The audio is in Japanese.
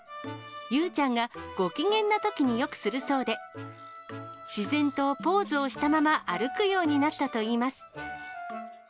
ユウちゃんがご機嫌なときによくするそうで、自然とポーズをしたまま歩くようになったといいます。